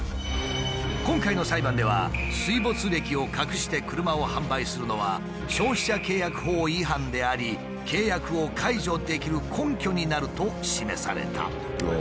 今回の裁判では水没歴を隠して車を販売するのは消費者契約法違反であり契約を解除できる根拠になると示された。